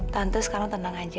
tante sekarang tenang aja